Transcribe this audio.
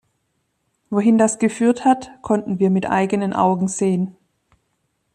Wohin das geführt hat, konnten wir mit eigenen Augen sehen.